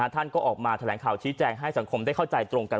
ท่านก็ออกมาแถลงข่าวชี้แจงให้สังคมได้เข้าใจตรงกัน